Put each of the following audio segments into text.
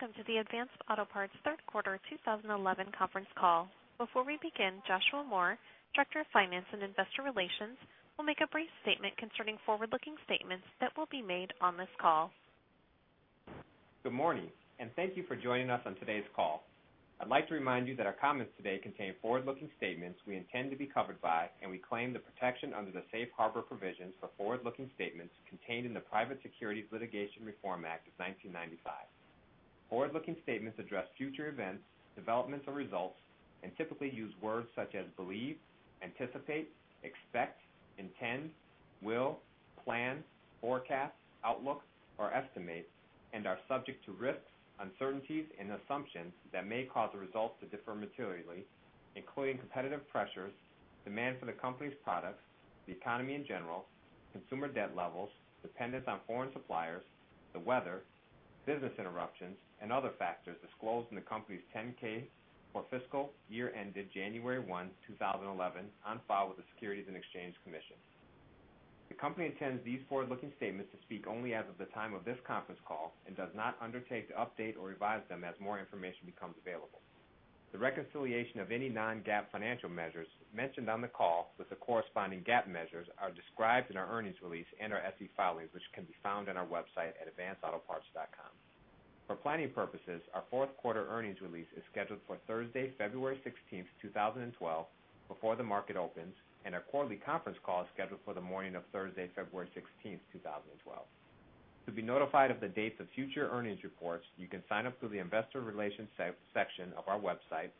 Welcome to the Advance Auto Parts Third Quarter 2011 Conference Call. Before we begin, Joshua Moore, Director of Finance and Investor Relations, will make a brief statement concerning forward-looking statements that will be made on this call. Good morning, and thank you for joining us on today's call. I'd like to remind you that our comments today contain forward-looking statements we intend to be covered by, and we claim the protection under the Safe Harbor provisions for forward-looking statements contained in the Private Securities Litigation Reform Act of 1995. Forward-looking statements address future events, developments, or results, and typically use words such as believe, anticipate, expect, intend, will, plan, forecast, outlook, or estimate, and are subject to risks, uncertainties, and assumptions that may cause results to differ materially, including competitive pressures, demand for the company's products, the economy in general, consumer debt levels, dependence on foreign suppliers, the weather, business interruptions, and other factors disclosed in the company's 10-K for fiscal year ended January 1, 2011, on file with the Securities and Exchange Commission. The company intends these forward-looking statements to speak only as of the time of this conference call and does not undertake to update or revise them as more information becomes available. The reconciliation of any non-GAAP financial measures mentioned on the call with the corresponding GAAP measures are described in our earnings release and our SEC filings, which can be found on our website at advanceautoparts.com. For planning purposes, our fourth quarter earnings release is scheduled for Thursday, February 16th, 2012, before the market opens, and our quarterly conference call is scheduled for the morning of Thursday, February 16th, 2012. To be notified of the dates of future earnings reports, you can sign up through the investor relations section of our website.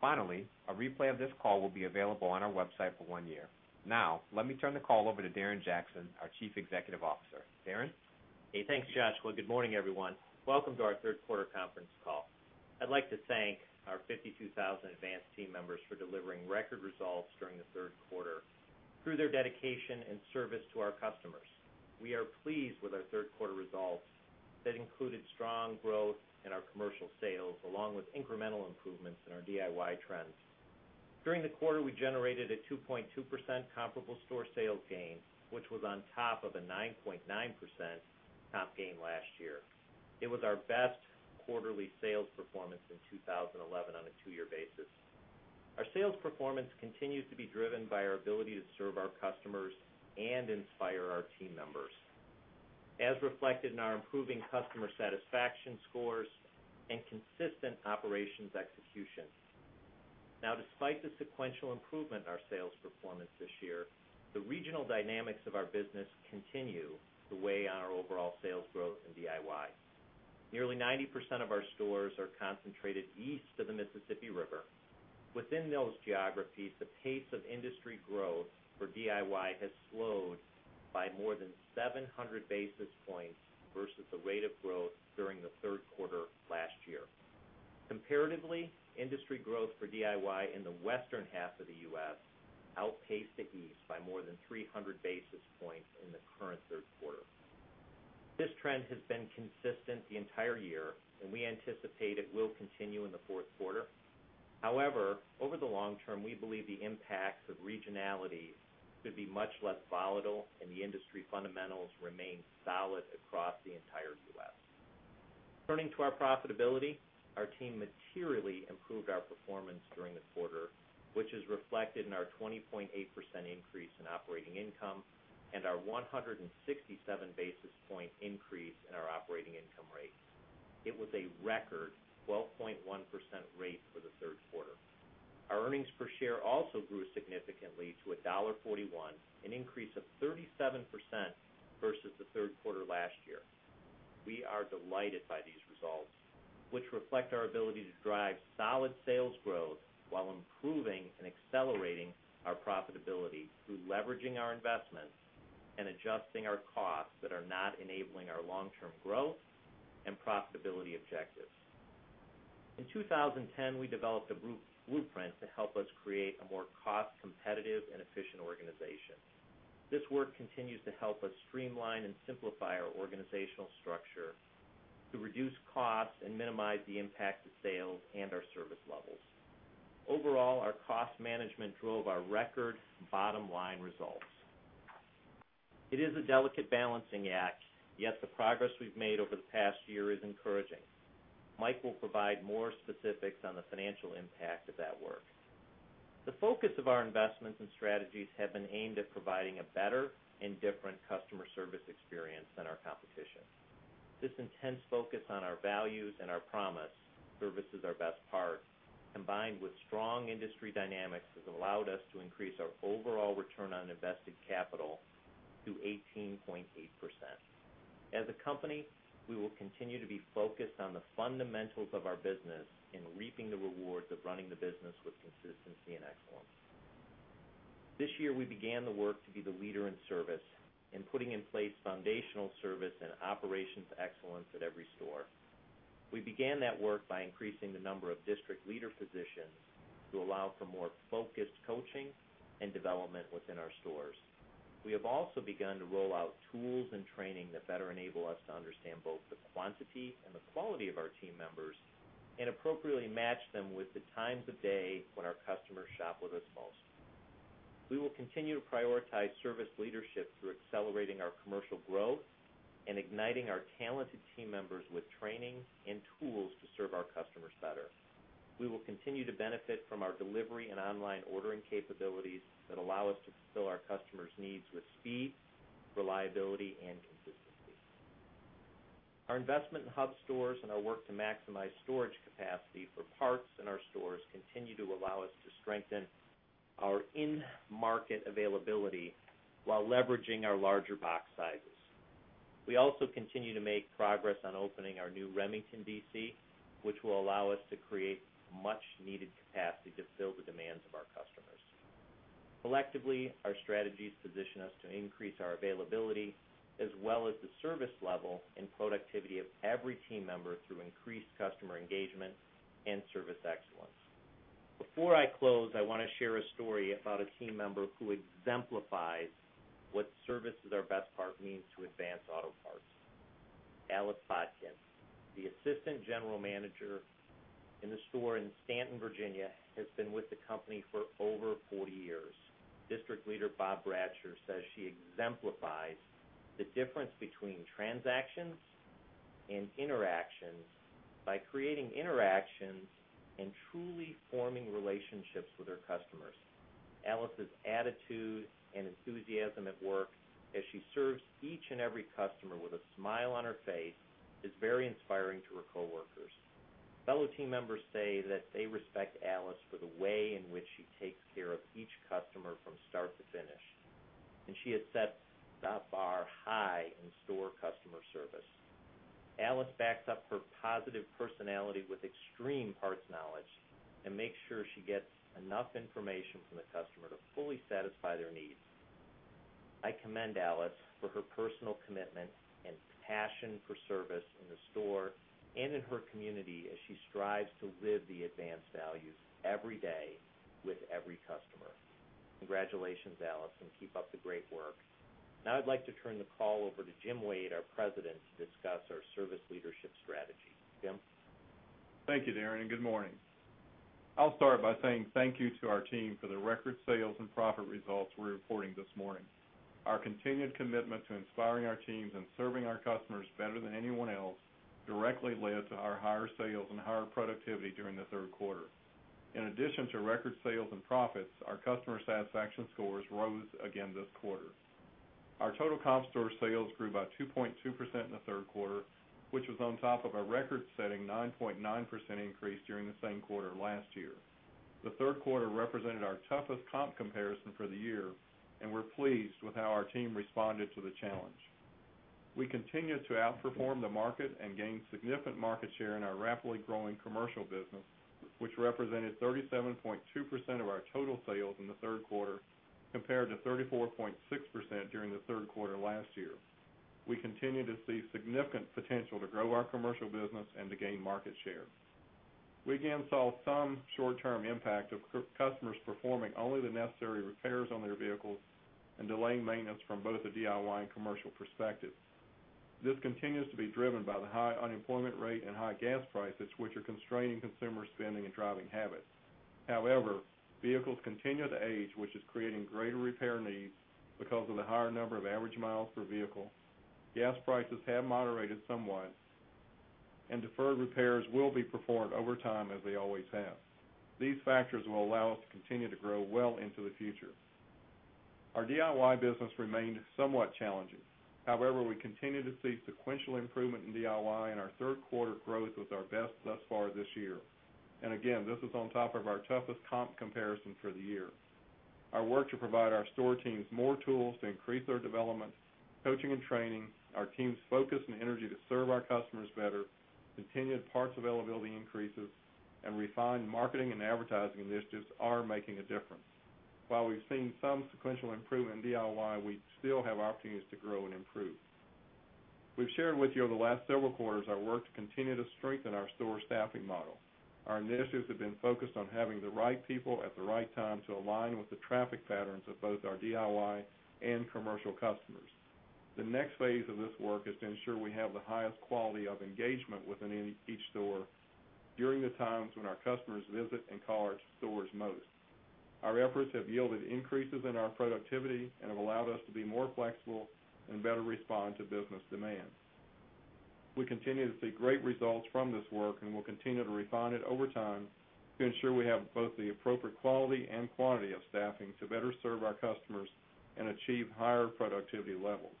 Finally, a replay of this call will be available on our website for one year. Now, let me turn the call over to Darren Jackson, our Chief Executive Officer. Darren? Hey, thanks, Josh. Good morning, everyone. Welcome to our Third Quarter Conference Call. I'd like to thank our 52,000 Advance team members for delivering record results during the third quarter through their dedication and service to our customers. We are pleased with our third quarter results that included strong growth in our commercial sales, along with incremental improvements in our DIY trends. During the quarter, we generated a 2.2% comparable store sales gain, which was on top of a 9.9% top gain last year. It was our best quarterly sales performance in 2011 on a two-year basis. Our sales performance continues to be driven by our ability to serve our customers and inspire our team members, as reflected in our improving customer satisfaction scores and consistent operations execution. Now, despite the sequential improvement in our sales performance this year, the regional dynamics of our business continue to weigh on our overall sales growth in DIY. Nearly 90% of our stores are concentrated east of the Mississippi River. Within those geographies, the pace of industry growth for DIY has slowed by more than 700 basis points versus the rate of growth during the third quarter last year. Comparatively, industry growth for DIY in the western half of the U.S. outpaced the east by more than 300 basis points in the current third quarter. This trend has been consistent the entire year, and we anticipate it will continue in the fourth quarter. However, over the long term, we believe the impacts of regionality could be much less volatile, and the industry fundamentals remain solid across the entire U.S. Turning to our profitability, our team materially improved our performance during the quarter, which is reflected in our 20.8% increase in operating income and our 167 basis point increase in our operating income rate. It was a record 12.1% rate for the third quarter. Our earnings per share also grew significantly to $1.41, an increase of 37% versus the third quarter last year. We are delighted by these results, which reflect our ability to drive solid sales growth while improving and accelerating our profitability through leveraging our investments and adjusting our costs that are not enabling our long-term growth and profitability objectives. In 2010, we developed a blueprint to help us create a more cost-competitive and efficient organization. This work continues to help us streamline and simplify our organizational structure to reduce costs and minimize the impact to sales and our service levels. Overall, our cost management drove our record bottom-line results. It is a delicate balancing act, yet the progress we've made over the past year is encouraging. Mike will provide more specifics on the financial impact of that work. The focus of our investments and strategies have been aimed at providing a better and different customer service experience than our competition. This intense focus on our values and our promise services our best part, combined with strong industry dynamics, has allowed us to increase our overall return on invested capital to 18.8%. As a company, we will continue to be focused on the fundamentals of our business and reaping the rewards of running the business with consistency and excellence. This year, we began the work to be the leader in service and putting in place foundational service and operations excellence at every store. We began that work by increasing the number of district leader positions to allow for more focused coaching and development within our stores. We have also begun to roll out tools and training that better enable us to understand both the quantity and the quality of our team members and appropriately match them with the times of day when our customers shop with us most. We will continue to prioritize service leadership through accelerating our commercial growth and igniting our talented team members with training and tools to serve our customers better. We will continue to benefit from our delivery and online ordering capabilities that allow us to fulfill our customers' needs with speed, reliability, and consistency. Our investment in hub stores and our work to maximize storage capacity for parts in our stores continue to allow us to strengthen our in-market availability while leveraging our larger box sizes. We also continue to make progress on opening our new Remington DC, which will allow us to create much-needed capacity to fill the demands of our customers. Collectively, our strategies position us to increase our availability, as well as the service level and productivity of every team member through increased customer engagement and service excellence. Before I close, I want to share a story about a team member who exemplifies what services our best part means to Advance Auto Parts. Alex Hodgson, the Assistant General Manager in the store in Staunton, Virginia, has been with the company for over 40 years. District Leader Bob Bratcher says she exemplifies the difference between transactions and interactions by creating interactions and truly forming relationships with her customers. Alex's attitude and enthusiasm at work as she serves each and every customer with a smile on her face is very inspiring to her coworkers. Fellow team members say that they respect Alex for the way in which she takes care of each customer from start to finish, and she has set that bar high in store customer service. Alex backs up her positive personality with extreme parts knowledge and makes sure she gets enough information from the customer to fully satisfy their needs. I commend Alex for her personal commitment and passion for service in the store and in her community as she strives to live the Advance values every day with every customer. Congratulations, Alex, and keep up the great work. Now I'd like to turn the call over to Jim Wade, our President, to discuss our service leadership strategy. Jim? Thank you, Darren, and good morning. I'll start by saying thank you to our team for the record sales and profit results we're reporting this morning. Our continued commitment to inspiring our teams and serving our customers better than anyone else directly led to our higher sales and higher productivity during the third quarter. In addition to record sales and profits, our customer satisfaction scores rose again this quarter. Our total comparable store sales grew by 2.2% in the third quarter, which was on top of a record-setting 9.9% increase during the same quarter last year. The third quarter represented our toughest comparable store sales comparison for the year, and we're pleased with how our team responded to the challenge. We continued to outperform the market and gained significant market share in our rapidly growing commercial business, which represented 37.2% of our total sales in the third quarter compared to 34.6% during the third quarter last year. We continue to see significant potential to grow our commercial business and to gain market share. We again saw some short-term impact of customers performing only the necessary repairs on their vehicles and delaying maintenance from both a DIY and commercial perspective. This continues to be driven by the high unemployment rate and high gas prices, which are constraining consumer spending and driving habit. However, vehicles continue to age, which is creating greater repair needs because of the higher number of average miles per vehicle. Gas prices have moderated somewhat, and deferred repairs will be performed over time as they always have. These factors will allow us to continue to grow well into the future. Our DIY business remained somewhat challenging. However, we continue to see sequential improvement in DIY, and our third quarter growth was our best thus far this year. This is on top of our toughest comparable store sales comparison for the year. Our work to provide our store teams more tools to increase their development, coaching, and training, our team's focus and energy to serve our customers better, continued parts availability increases, and refined marketing and advertising initiatives are making a difference. While we've seen some sequential improvement in DIY, we still have opportunities to grow and improve. We've shared with you over the last several quarters our work to continue to strengthen our store staffing model. Our initiatives have been focused on having the right people at the right time to align with the traffic patterns of both our DIY and commercial customers. The next phase of this work is to ensure we have the highest quality of engagement within each store during the times when our customers visit and call our stores most. Our efforts have yielded increases in our productivity and have allowed us to be more flexible and better respond to business demands. We continue to see great results from this work and will continue to refine it over time to ensure we have both the appropriate quality and quantity of staffing to better serve our customers and achieve higher productivity levels.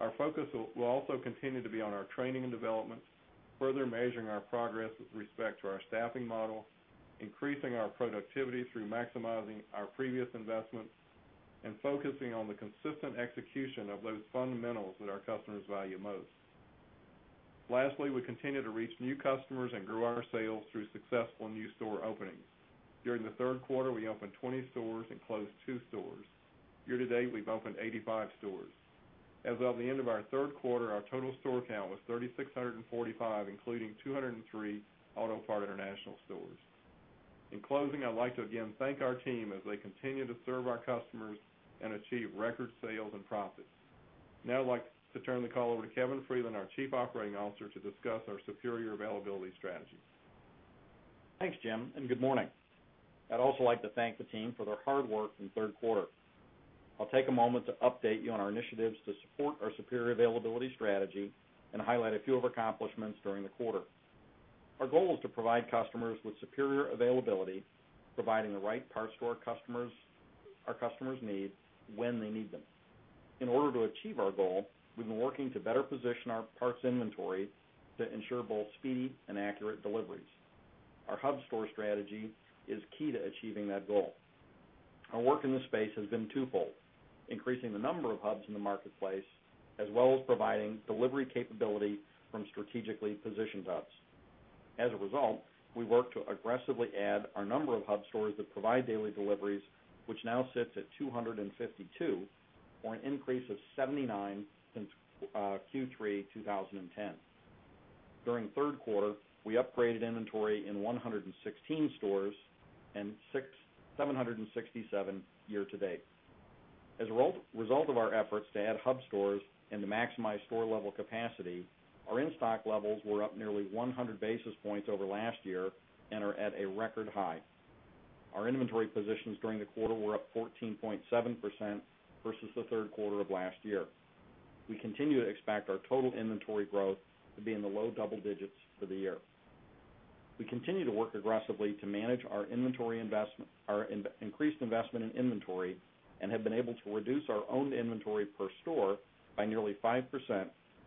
Our focus will also continue to be on our training and development, further measuring our progress with respect to our staffing model, increasing our productivity through maximizing our previous investments, and focusing on the consistent execution of those fundamentals that our customers value most. Lastly, we continue to reach new customers and grow our sales through successful new store openings. During the third quarter, we opened 20 stores and closed 2 stores. Year to date, we've opened 85 stores. As of the end of our third quarter, our total store count was 3,645, including 203 Auto Part International stores. In closing, I'd like to again thank our team as they continue to serve our customers and achieve record sales and profits. Now I'd like to turn the call over to Kevin Freeland, our Chief Operating Officer, to discuss our superior availability strategy. Thanks, Jim, and good morning. I'd also like to thank the team for their hard work in the third quarter. I'll take a moment to update you on our initiatives to support our superior availability strategy and highlight a few of our accomplishments during the quarter. Our goal is to provide customers with superior availability, providing the right parts to our customers' needs when they need them. In order to achieve our goal, we've been working to better position our parts inventory to ensure both speed and accurate deliveries. Our hub store strategy is key to achieving that goal. Our work in this space has been twofold: increasing the number of hubs in the marketplace, as well as providing delivery capability from strategically positioned hubs. As a result, we worked to aggressively add our number of hub stores that provide daily deliveries, which now sits at 252, or an increase of 79 since Q3 2010. During the third quarter, we upgraded inventory in 116 stores and 767 year to date. As a result of our efforts to add hub stores and to maximize store-level capacity, our in-stock levels were up nearly 100 basis points over last year and are at a record high. Our inventory positions during the quarter were up 14.7% versus the third quarter of last year. We continue to expect our total inventory growth to be in the low double digits for the year. We continue to work aggressively to manage our increased investment in inventory and have been able to reduce our owned inventory per store by nearly 5%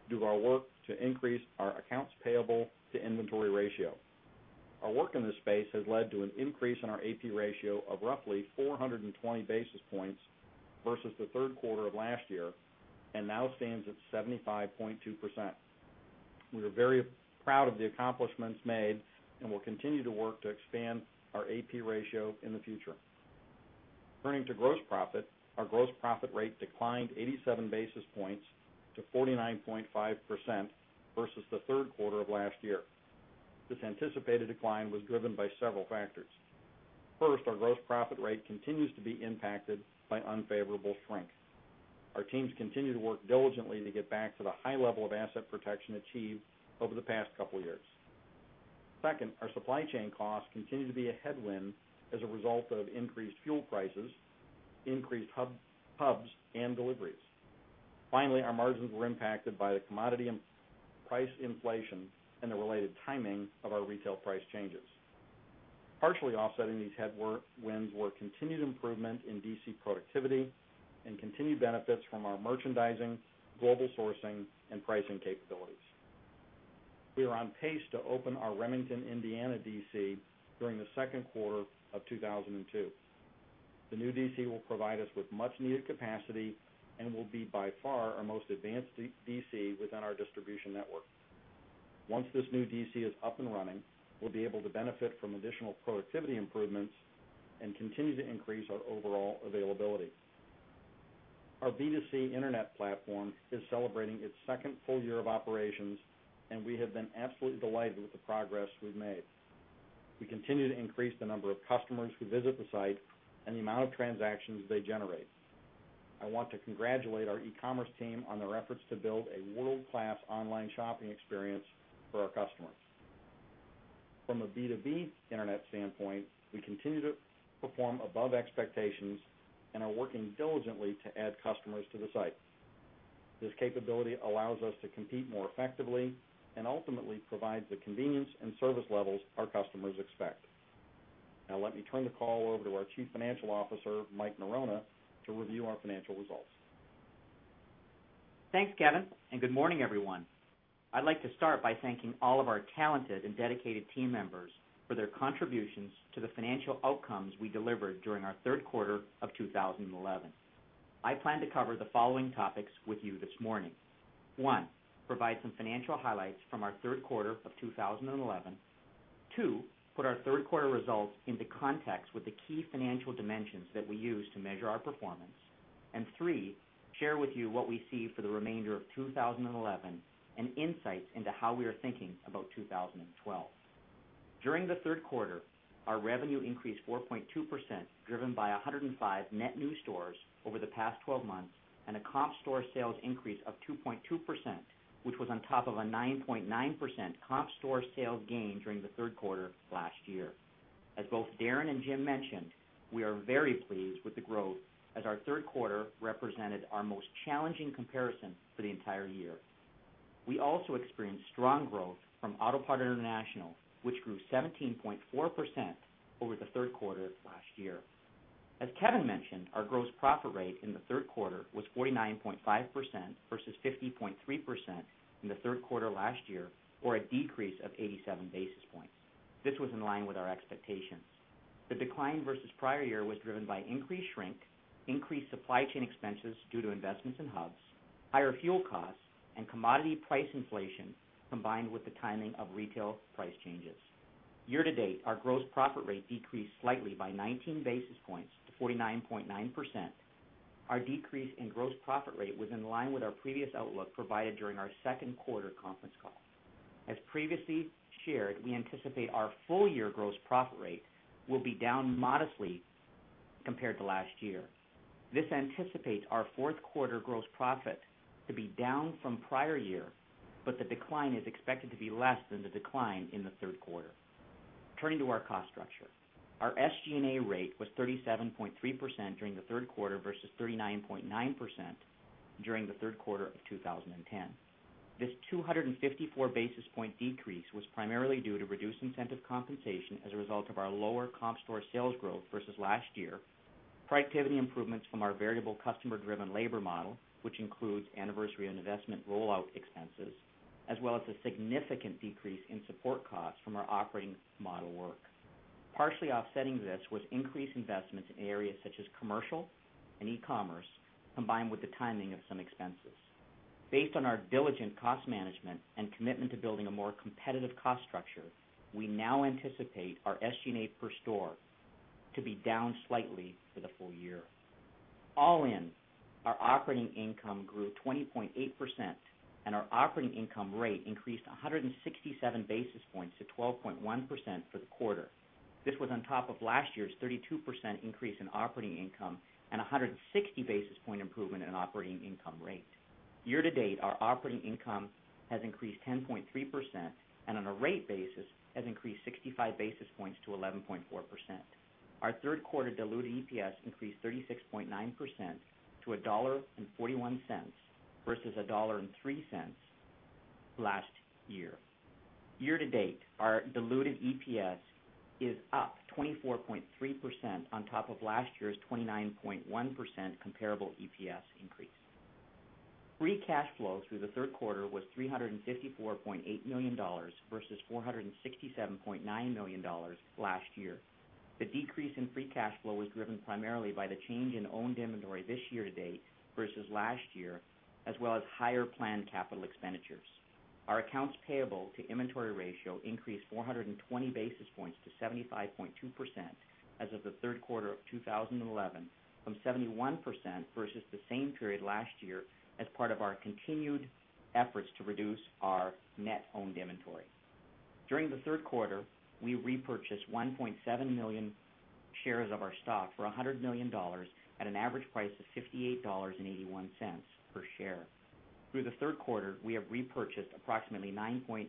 due to our work to increase our accounts payable to inventory ratio. Our work in this space has led to an increase in our AP ratio of roughly 420 basis points versus the third quarter of last year and now stands at 75.2%. We are very proud of the accomplishments made and will continue to work to expand our AP ratio in the future. Turning to gross profit, our gross profit rate declined 87 basis points to 49.5% versus the third quarter of last year. This anticipated decline was driven by several factors. First, our gross profit rate continues to be impacted by unfavorable shrink. Our teams continue to work diligently to get back to the high level of asset protection achieved over the past couple of years. Second, our supply chain costs continue to be a headwind as a result of increased fuel prices, increased hubs, and deliveries. Finally, our margins were impacted by the commodity price inflation and the related timing of our retail price changes. Partially offsetting these headwinds were continued improvement in DC productivity and continued benefits from our merchandising, global sourcing, and pricing capabilities. We are on pace to open our Remington, Indiana DC during the second quarter of 2002. The new DC will provide us with much-needed capacity and will be by far our most advanced DC within our distribution network. Once this new DC is up and running, we'll be able to benefit from additional productivity improvements and continue to increase our overall availability. Our B2C internet platform is celebrating its second full year of operations, and we have been absolutely delighted with the progress we've made. We continue to increase the number of customers who visit the site and the amount of transactions they generate. I want to congratulate our e-commerce team on their efforts to build a world-class online shopping experience for our customers. From a B2B internet standpoint, we continue to perform above expectations and are working diligently to add customers to the site. This capability allows us to compete more effectively and ultimately provides the convenience and service levels our customers expect. Now, let me turn the call over to our Chief Financial Officer, Mike Norona, to review our financial results. Thanks, Kevin, and good morning, everyone. I'd like to start by thanking all of our talented and dedicated team members for their contributions to the financial outcomes we delivered during our third quarter of 2011. I plan to cover the following topics with you this morning: one, provide some financial highlights from our third quarter of 2011; two, put our third quarter results into context with the key financial dimensions that we use to measure our performance; and three, share with you what we see for the remainder of 2011 and insights into how we are thinking about 2012. During the third quarter, our revenue increased 4.2%, driven by 105 net new stores over the past 12 months, and a comparable store sales increase of 2.2%, which was on top of a 9.9% comparable store sales gain during the third quarter last year. As both Darren and Jim mentioned, we are very pleased with the growth, as our third quarter represented our most challenging comparison for the entire year. We also experienced strong growth from Auto Part International, which grew 17.4% over the third quarter of last year. As Kevin mentioned, our gross profit rate in the third quarter was 49.5% versus 50.3% in the third quarter last year, or a decrease of 87 basis points. This was in line with our expectations. The decline versus prior year was driven by increased shrink, increased supply chain expenses due to investments in hubs, higher fuel costs, and commodity price inflation, combined with the timing of retail price changes. year-to-date, our gross profit rate decreased slightly by 19 basis points to 49.9%. Our decrease in gross profit rate was in line with our previous outlook provided during our second quarter conference call. As previously shared, we anticipate our full year gross profit rate will be down modestly compared to last year. This anticipates our fourth quarter gross profit to be down from prior year, but the decline is expected to be less than the decline in the third quarter. Turning to our cost structure, our SG&A rate was 37.3% during the third quarter versus 39.9% during the third quarter of 2010. This 254 basis point decrease was primarily due to reduced incentive compensation as a result of our lower comparable store sales growth versus last year, productivity improvements from our variable customer-driven labor model, which includes anniversary investment rollout expenses, as well as a significant decrease in support costs from our operating model work. Partially offsetting this was increased investments in areas such as commercial and e-commerce, combined with the timing of some expenses. Based on our diligent cost management and commitment to building a more competitive cost structure, we now anticipate our SG&A per store to be down slightly for the full year. All in, our operating income grew 20.8%, and our operating income rate increased 167 basis points to 12.1% for the quarter. This was on top of last year's 32% increase in operating income and a 160 basis point improvement in operating income rate. Year-to-date, our operating income has increased 10.3% and on a rate basis has increased 65 basis points to 11.4%. Our third quarter diluted EPS increased 36.9% to $1.41 versus $1.03 last year. Year-to-date, our diluted EPS is up 24.3% on top of last year's 29.1% comparable EPS increase. Free cash flow through the third quarter was $354.8 million versus $467.9 million last year. The decrease in free cash flow was driven primarily by the change in owned inventory this year to date versus last year, as well as higher planned capital expenditures. Our accounts payable to inventory ratio increased 420 basis points to 75.2% as of the third quarter of 2011, from 71% versus the same period last year, as part of our continued efforts to reduce our net owned inventory. During the third quarter, we repurchased 1.7 million shares of our stock for $100 million at an average price of $58.81 per share. Through the third quarter, we have repurchased approximately 9.9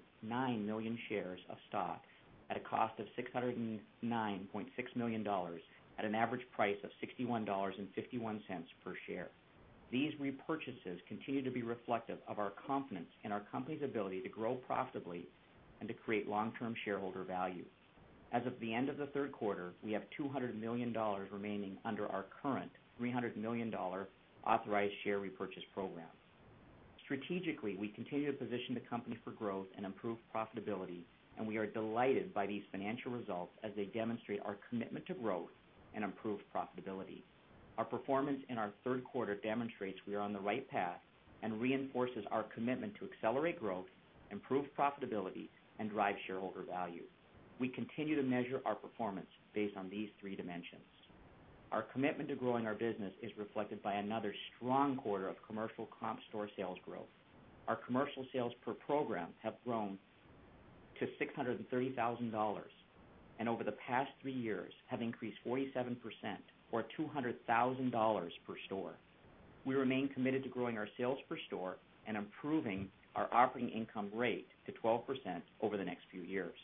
million shares of stock at a cost of $609.6 million at an average price of $61.51 per share. These repurchases continue to be reflective of our confidence in our company's ability to grow profitably and to create long-term shareholder value. As of the end of the third quarter, we have $200 million remaining under our current $300 million authorized share repurchase program. Strategically, we continue to position the company for growth and improved profitability, and we are delighted by these financial results as they demonstrate our commitment to growth and improved profitability. Our performance in our third quarter demonstrates we are on the right path and reinforces our commitment to accelerate growth, improve profitability, and drive shareholder value. We continue to measure our performance based on these three dimensions. Our commitment to growing our business is reflected by another strong quarter of commercial comp store sales growth. Our commercial sales per program have grown to $630,000 and over the past three years have increased 47% or $200,000 per store. We remain committed to growing our sales per store and improving our operating income rate to 12% over the next few years.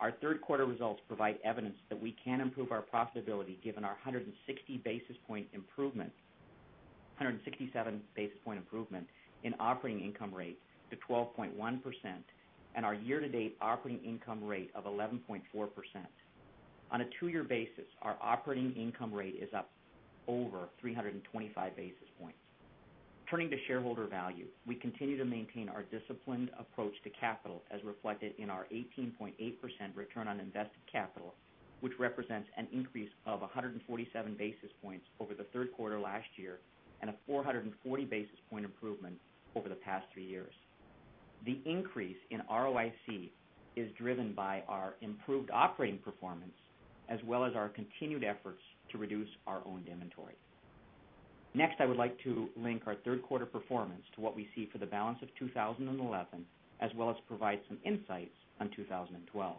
Our third quarter results provide evidence that we can improve our profitability given our 160 basis point improvement, 167 basis point improvement in operating income rate to 12.1% and our year-to-date operating income rate of 11.4%. On a two-year basis, our operating income rate is up over 325 basis points. Turning to shareholder value, we continue to maintain our disciplined approach to capital as reflected in our 18.8% return on invested capital, which represents an increase of 147 basis points over the third quarter last year and a 440 basis point improvement over the past three years. The increase in ROIC is driven by our improved operating performance as well as our continued efforts to reduce our owned inventory. Next, I would like to link our third quarter performance to what we see for the balance of 2011, as well as provide some insights on 2012.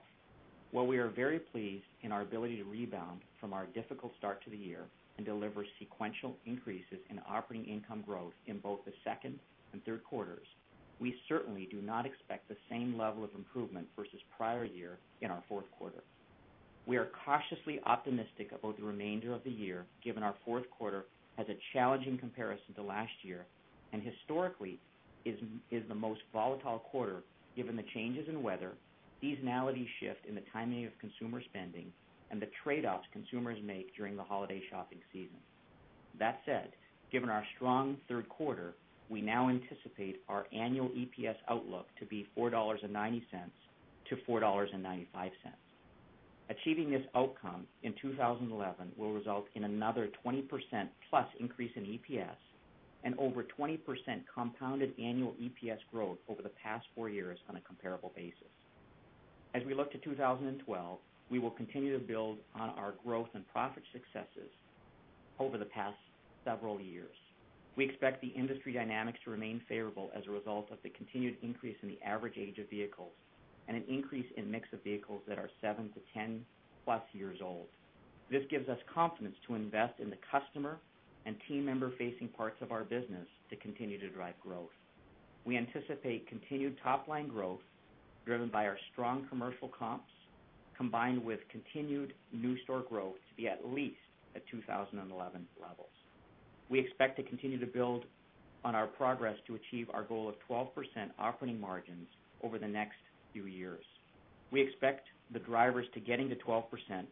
While we are very pleased in our ability to rebound from our difficult start to the year and deliver sequential increases in operating income growth in both the second and third quarters, we certainly do not expect the same level of improvement versus prior year in our fourth quarter. We are cautiously optimistic about the remainder of the year given our fourth quarter has a challenging comparison to last year and historically is the most volatile quarter given the changes in weather, seasonality shift in the timing of consumer spending, and the trade-offs consumers make during the holiday shopping season. That said, given our strong third quarter, we now anticipate our annual EPS outlook to be $4.90 to $4.95. Achieving this outcome in 2011 will result in another 20%+ increase in EPS and over 20% compounded annual EPS growth over the past four years on a comparable basis. As we look to 2012, we will continue to build on our growth and profit successes over the past several years. We expect the industry dynamics to remain favorable as a result of the continued increase in the average age of vehicles and an increase in the mix of vehicles that are 7-10+ years old. This gives us confidence to invest in the customer and team member-facing parts of our business to continue to drive growth. We anticipate continued top-line growth driven by our strong commercial comps combined with continued new store growth to be at least at 2011 levels. We expect to continue to build on our progress to achieve our goal of 12% operating margins over the next few years. We expect the drivers to getting to 12%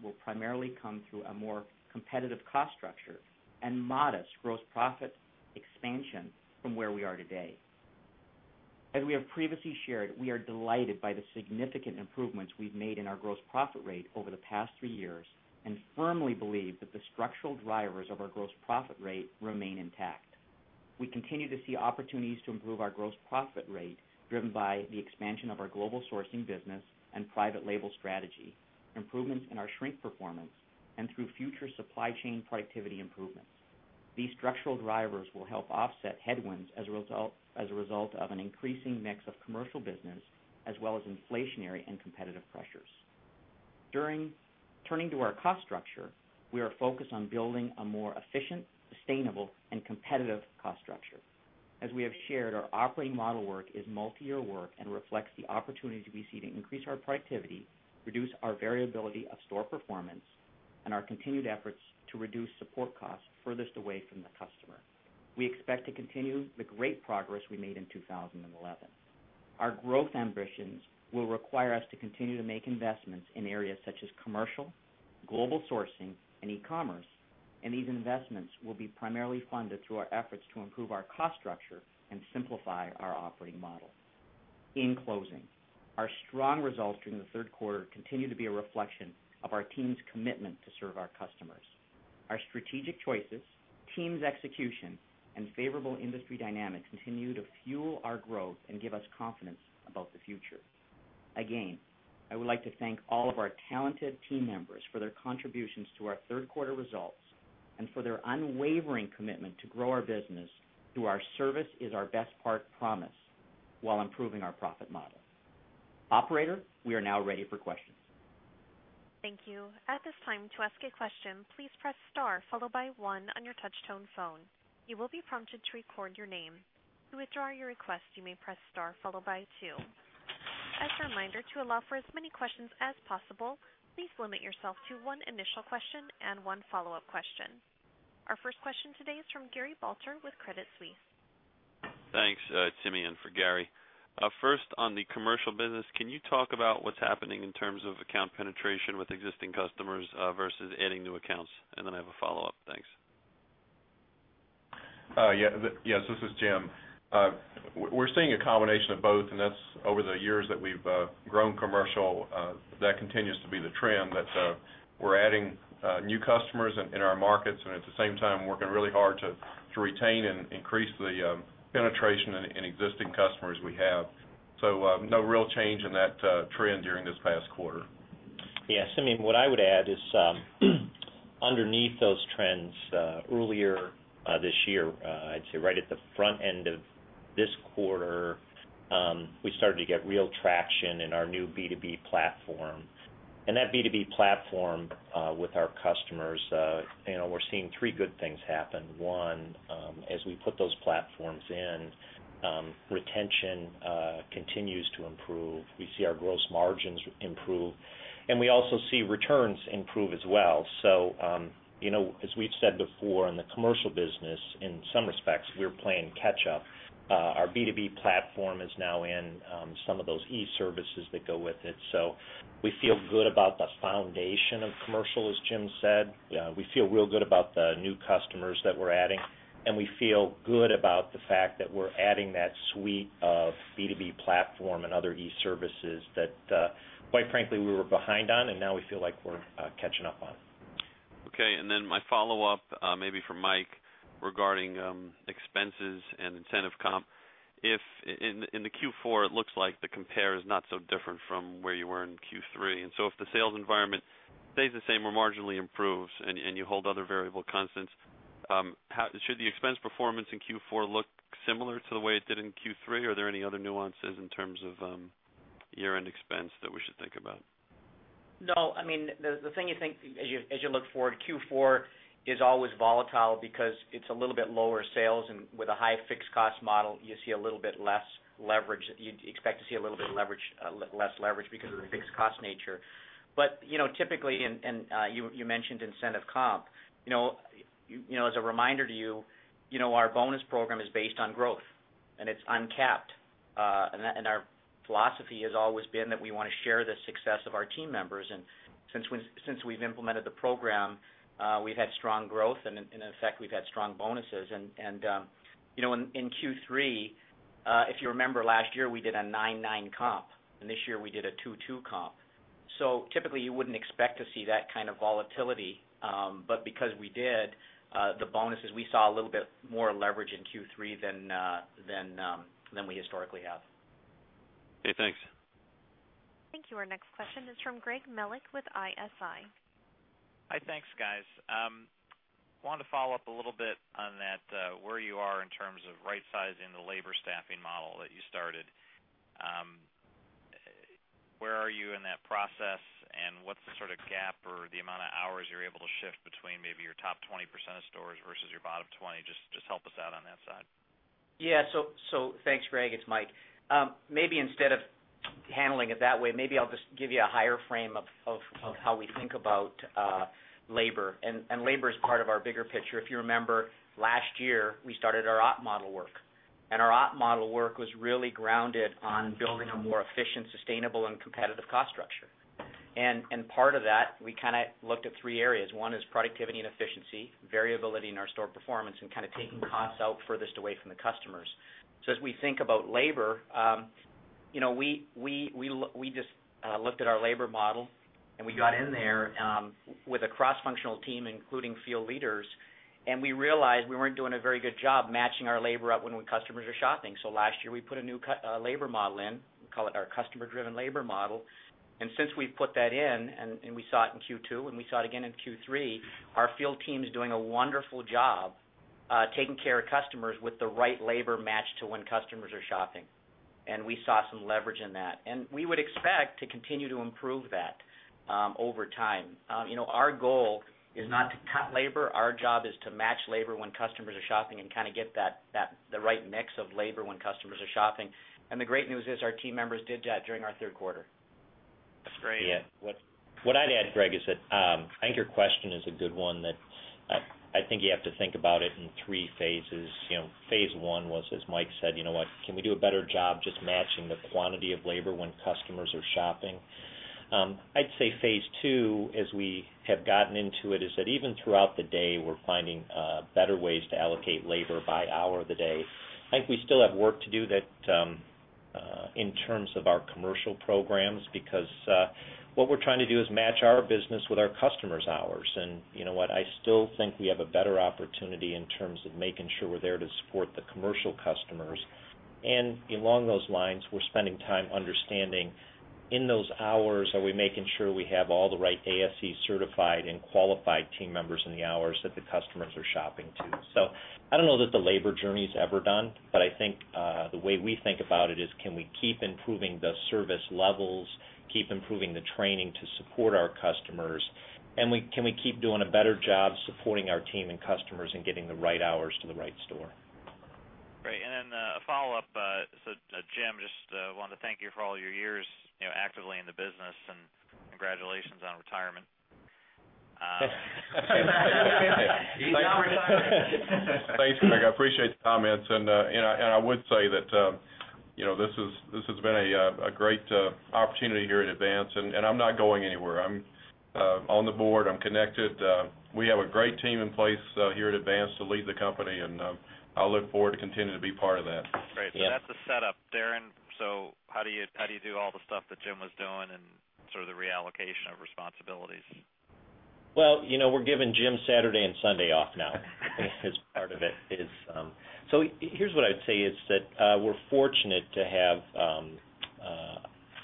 will primarily come through a more competitive cost structure and modest gross profit expansion from where we are today. As we have previously shared, we are delighted by the significant improvements we've made in our gross profit rate over the past three years and firmly believe that the structural drivers of our gross profit rate remain intact. We continue to see opportunities to improve our gross profit rate driven by the expansion of our global sourcing business and private label strategy, improvements in our shrink performance, and through future supply chain productivity improvements. These structural drivers will help offset headwinds as a result of an increasing mix of commercial business as well as inflationary and competitive pressures. Turning to our cost structure, we are focused on building a more efficient, sustainable, and competitive cost structure. As we have shared, our operating model work is multi-year work and reflects the opportunities we see to increase our productivity, reduce our variability of store performance, and our continued efforts to reduce support costs furthest away from the customer. We expect to continue the great progress we made in 2011. Our growth ambitions will require us to continue to make investments in areas such as commercial, global sourcing, and e-commerce, and these investments will be primarily funded through our efforts to improve our cost structure and simplify our operating model. In closing, our strong results during the third quarter continue to be a reflection of our team's commitment to serve our customers. Our strategic choices, team's execution, and favorable industry dynamics continue to fuel our growth and give us confidence about the future. Again, I would like to thank all of our talented team members for their contributions to our third quarter results and for their unwavering commitment to grow our business through our service is our best part promise while improving our profit model. Operator, we are now ready for questions. Thank you. At this time, to ask a question, please press star followed by one on your touch-tone phone. You will be prompted to record your name. To withdraw your request, you may press star followed by two. As a reminder, to allow for as many questions as possible, please limit yourself to one initial question and one follow-up question. Our first question today is from Gary Balter with Credit Suisse. Thanks, Timmy, and for Gary. First, on the commercial business, can you talk about what's happening in terms of account penetration with existing customers versus adding new accounts? I have a follow-up. Thanks. Yes, this is Jim. We're seeing a combination of both, and that's over the years that we've grown commercial, that continues to be the trend. We're adding new customers in our markets and at the same time working really hard to retain and increase the penetration in existing customers we have. No real change in that trend during this past quarter. Yes, I mean, what I would add is underneath those trends, earlier this year, I'd say right at the front end of this quarter, we started to get real traction in our new B2B platform. That B2B platform with our customers, you know, we're seeing three good things happen. One, as we put those platforms in, retention continues to improve. We see our gross margins improve, and we also see returns improve as well. As we've said before, in the commercial business, in some respects, we're playing catch-up. Our B2B platform is now in some of those e-services that go with it. We feel good about the foundation of commercial, as Jim said. We feel real good about the new customers that we're adding, and we feel good about the fact that we're adding that suite of B2B platform and other e-services that, quite frankly, we were behind on and now we feel like we're catching up on. Okay, and then my follow-up maybe for Mike regarding expenses and incentive comp. If in the Q4, it looks like the compare is not so different from where you were in Q3, if the sales environment stays the same or marginally improves and you hold other variable constants, should the expense performance in Q4 look similar to the way it did in Q3? Are there any other nuances in terms of year-end expense that we should think about? No, I mean, the thing you think as you look forward, Q4 is always volatile because it's a little bit lower sales, and with a high fixed cost model, you see a little bit less leverage. You'd expect to see a little bit less leverage because of the fixed cost nature. Typically, you mentioned incentive comp. As a reminder to you, our bonus program is based on growth and it's uncapped. Our philosophy has always been that we want to share the success of our team members. Since we've implemented the program, we've had strong growth and, in effect, we've had strong bonuses. In Q3, if you remember last year, we did a 9.9 comp and this year we did a 2.2 comp. Typically, you wouldn't expect to see that kind of volatility, but because we did, the bonuses, we saw a little bit more leverage in Q3 than we historically have. Okay, thanks. Thank you. Our next question is from Greg Melich with ISI. Hi, thanks guys. I wanted to follow up a little bit on that, where you are in terms of right-sizing the labor staffing model that you started. Where are you in that process, and what's the sort of gap or the amount of hours you're able to shift between maybe your top 20% of stores versus your bottom 20%? Just help us out on that side. Yeah, thanks Greg, it's Mike. Maybe instead of handling it that way, I'll just give you a higher frame of how we think about labor. Labor is part of our bigger picture. If you remember, last year we started our op model work. Our op model work was really grounded on building a more efficient, sustainable, and competitive cost structure. Part of that, we looked at three areas. One is productivity and efficiency, variability in our store performance, and taking costs out furthest away from the customers. As we think about labor, we just looked at our labor model and we got in there with a cross-functional team, including field leaders, and we realized we weren't doing a very good job matching our labor up when customers are shopping. Last year we put a new labor model in, we call it our customer-driven labor model. Since we've put that in, and we saw it in Q2 and we saw it again in Q3, our field team is doing a wonderful job taking care of customers with the right labor match to when customers are shopping. We saw some leverage in that. We would expect to continue to improve that over time. Our goal is not to cut labor; our job is to match labor when customers are shopping and get the right mix of labor when customers are shopping. The great news is our team members did that during our third quarter. That's great. Yeah. What I'd add, Greg, is that I think your question is a good one that I think you have to think about it in three phases. Phase one was, as Mike said, you know what, can we do a better job just matching the quantity of labor when customers are shopping? I'd say phase two, as we have gotten into it, is that even throughout the day, we're finding better ways to allocate labor by hour of the day. I think we still have work to do in terms of our commercial programs because what we're trying to do is match our business with our customers' hours. I still think we have a better opportunity in terms of making sure we're there to support the commercial customers. Along those lines, we're spending time understanding in those hours, are we making sure we have all the right ASE certified and qualified team members in the hours that the customers are shopping too? I don't know that the labor journey is ever done, but I think the way we think about it is can we keep improving the service levels, keep improving the training to support our customers, and can we keep doing a better job supporting our team and customers and getting the right hours to the right store? Great. A follow-up. Jim, just wanted to thank you for all your years, you know, actively in the business and congratulations on retirement. Thanks, Greg. I appreciate the comments. I would say that this has been a great opportunity here at Advance, and I'm not going anywhere. I'm on the board, I'm connected. We have a great team in place here at Advance to lead the company, and I look forward to continuing to be part of that. Great. Yeah, that's a setup. Darren, how do you do all the stuff that Jim was doing and sort of the reallocation of responsibilities? We're giving Jim Saturday and Sunday off now as part of it. Here's what I'd say, we're fortunate to have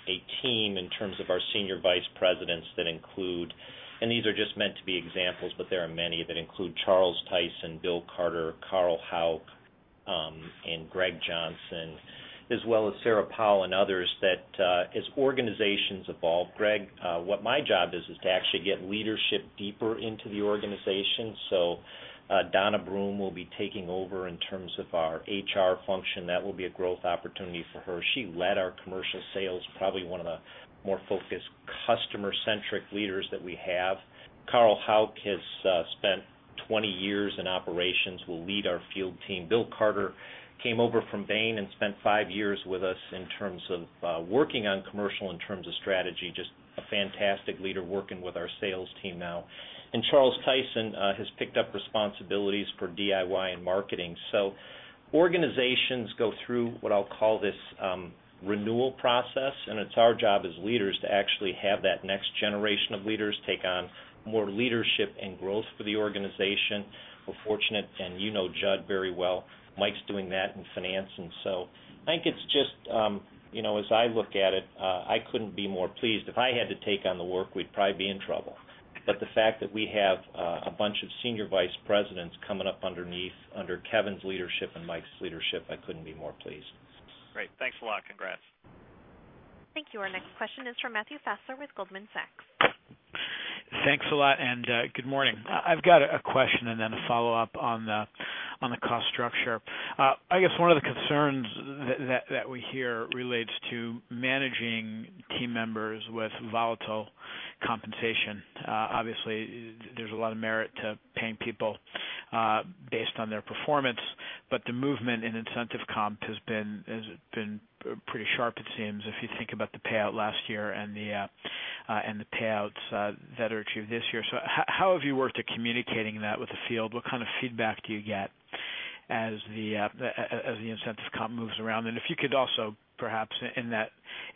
a team in terms of our Senior Vice Presidents that include, and these are just meant to be examples, but there are many that include Charles Tyson, Bill Carter, Carl Hauck, and Greg Johnson, as well as Sarah Powell and others as organizations evolve. Greg, what my job is, is to actually get leadership deeper into the organization. Donna Brouillard will be taking over in terms of our HR function. That will be a growth opportunity for her. She led our commercial sales, probably one of the more focused customer-centric leaders that we have. Carl Hauck has spent 20 years in operations and will lead our field team. Bill Carter came over from Bain and spent five years with us working on commercial in terms of strategy, just a fantastic leader working with our sales team now. Charles Tyson has picked up responsibilities for DIY and marketing. Organizations go through what I'll call this renewal process, and it's our job as leaders to actually have that next generation of leaders take on more leadership and growth for the organization. We're fortunate, and you know Judd very well. Mike's doing that in finance. I think it's just, as I look at it, I couldn't be more pleased. If I had to take on the work, we'd probably be in trouble. The fact that we have a bunch of Senior Vice Presidents coming up underneath under Kevin's leadership and Mike's leadership, I couldn't be more pleased. Great. Thanks a lot. Congrats. Thank you. Our next question is from Matthew Fassler with Goldman Sachs. Thanks a lot, and good morning. I've got a question and then a follow-up on the cost structure. I guess one of the concerns that we hear relates to managing team members with volatile compensation. Obviously, there's a lot of merit to paying people based on their performance, but the movement in incentive comp has been pretty sharp, it seems, if you think about the payout last year and the payouts that are achieved this year. How have you worked at communicating that with the field? What kind of feedback do you get as the incentive comp moves around? If you could also perhaps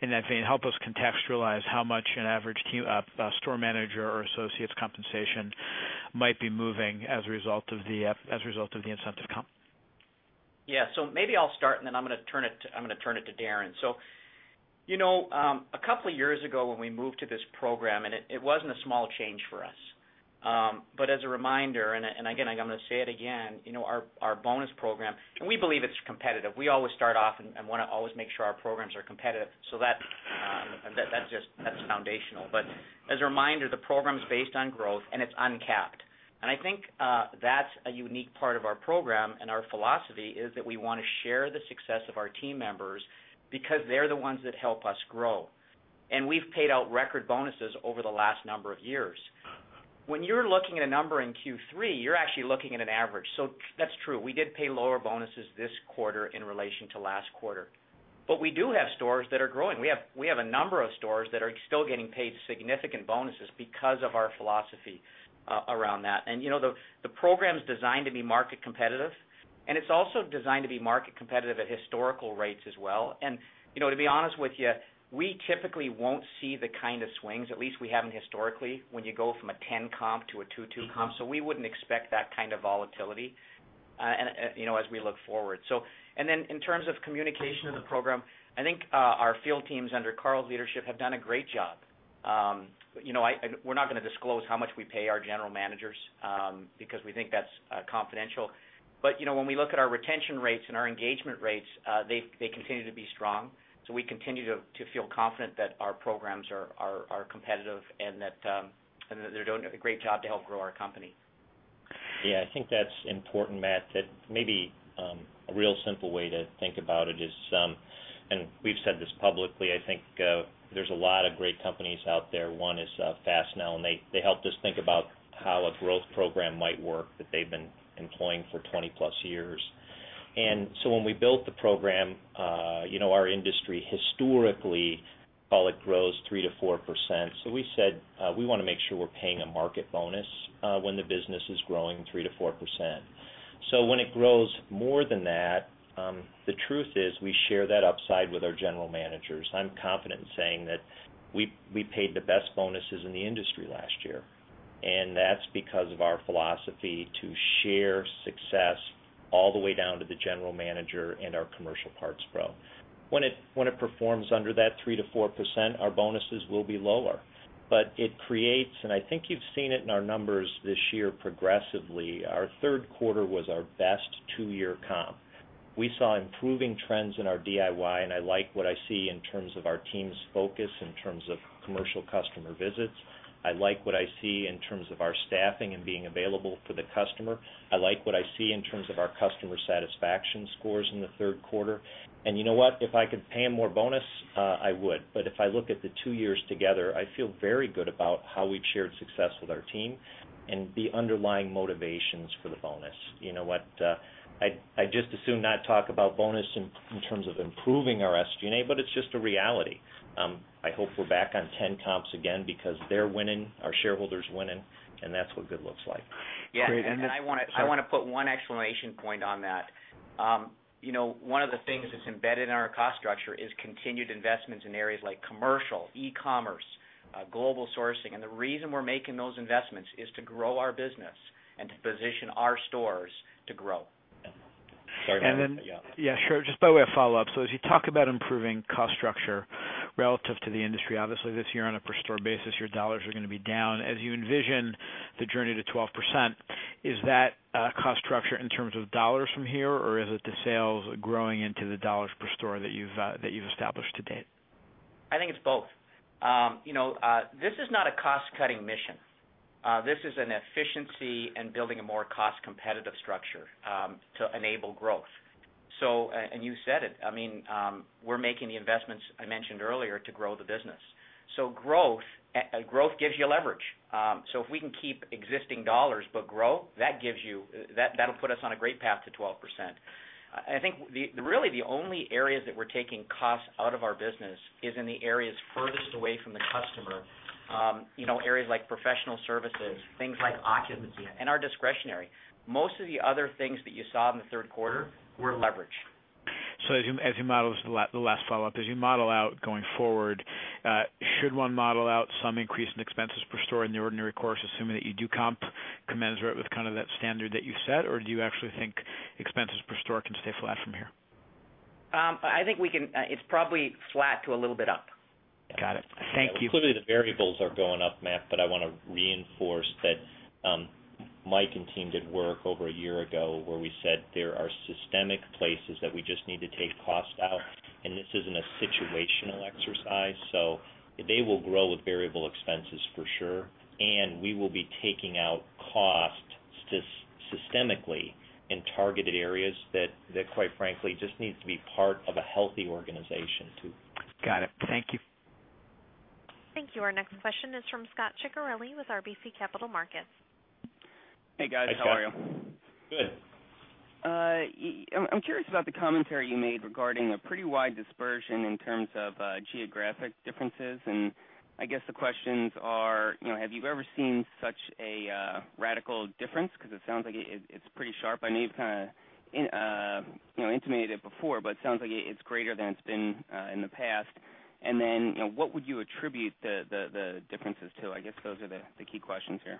in that vein, help us contextualize how much an average store manager or associate's compensation might be moving as a result of the incentive comp. Yeah, maybe I'll start and then I'm going to turn it to Darren. A couple of years ago when we moved to this program, it wasn't a small change for us. As a reminder, our bonus program, and we believe it's competitive. We always start off and want to always make sure our programs are competitive. That's foundational. As a reminder, the program's based on growth and it's uncapped. I think that's a unique part of our program and our philosophy is that we want to share the success of our team members because they're the ones that help us grow. We've paid out record bonuses over the last number of years. When you're looking at a number in Q3, you're actually looking at an average. That's true. We did pay lower bonuses this quarter in relation to last quarter. We do have stores that are growing. We have a number of stores that are still getting paid significant bonuses because of our philosophy around that. The program's designed to be market competitive, and it's also designed to be market competitive at historical rates as well. To be honest with you, we typically won't see the kind of swings, at least we haven't historically, when you go from a 10 comp to a 2.2 comp. We wouldn't expect that kind of volatility as we look forward. In terms of communication of the program, I think our field teams under Charles leadership have done a great job. We're not going to disclose how much we pay our general managers because we think that's confidential. When we look at our retention rates and our engagement rates, they continue to be strong. We continue to feel confident that our programs are competitive and that they're doing a great job to help grow our company. I think that's important, Matt, that maybe a real simple way to think about it is, and we've said this publicly, I think there's a lot of great companies out there. One is FastNow, and they helped us think about how a growth program might work that they've been employing for 20+ years. When we built the program, our industry historically, call it, grows 3%-4%. We said we want to make sure we're paying a market bonus when the business is growing 3%-4%. When it grows more than that, the truth is we share that upside with our general managers. I'm confident in saying that we paid the best bonuses in the industry last year. That's because of our philosophy to share success all the way down to the General Manager and our commercial parts pro. When it performs under that 3%-4%, our bonuses will be lower. It creates, and I think you've seen it in our numbers this year progressively, our third quarter was our best two-year comp. We saw improving trends in our DIY, and I like what I see in terms of our team's focus, in terms of commercial customer visits. I like what I see in terms of our staffing and being available for the customer. I like what I see in terms of our customer satisfaction scores in the third quarter. If I could pay them more bonus, I would. If I look at the two years together, I feel very good about how we've shared success with our team and the underlying motivations for the bonus. I just assume not talk about bonus in terms of improving our SG&A, but it's just a reality. I hope we're back on 10 comps again because they're winning, our shareholders are winning, and that's what good looks like. I want to put one exclamation point on that. One of the things that's embedded in our cost structure is continued investments in areas like commercial, e-commerce, global sourcing. The reason we're making those investments is to grow our business and to position our stores to grow. Yeah, sure. Just by way of follow-up, as you talk about improving cost structure relative to the industry, obviously this year on a per-store basis, your dollars are going to be down. As you envision the journey to 12%, is that cost structure in terms of dollars from here, or is it the sales growing into the dollars per store that you've established to date? I think it's both. This is not a cost-cutting mission. This is an efficiency and building a more cost-competitive structure to enable growth. You said it, I mean, we're making the investments I mentioned earlier to grow the business. Growth gives you leverage. If we can keep existing dollars but grow, that gives you, that'll put us on a great path to 12%. I think really the only areas that we're taking costs out of our business is in the areas furthest away from the customer, areas like professional services, things like occupancy, and our discretionary. Most of the other things that you saw in the third quarter were leverage. As you model the last follow-up, as you model out going forward, should one model out some increase in expenses per store in the ordinary course, assuming that you do commensurate with kind of that standard that you set, or do you actually think expenses per store can stay flat from here? I think we can. It's probably flat to a little bit up. Got it. Thank you. Clearly, the variables are going up, Matt, but I want to reinforce that Mike and team did work over a year ago where we said there are systemic places that we just need to take costs out. This isn't a situational exercise. They will grow with variable expenses for sure, and we will be taking out costs systemically in targeted areas that quite frankly just need to be part of a healthy organization too. Got it. Thank you. Thank you. Our next question is from Scot Ciccarelli with RBC Capital Markets. Hey guys, how are you? Good. I'm curious about the commentary you made regarding a pretty wide dispersion in terms of geographic differences. I guess the questions are, you know, have you ever seen such a radical difference? It sounds like it's pretty sharp. I know you've kind of intimated it before, but it sounds like it's greater than it's been in the past. What would you attribute the differences to? I guess those are the key questions here.